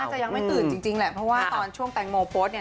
จะยังไม่ตื่นจริงแหละเพราะว่าตอนช่วงแตงโมโพสต์เนี่ย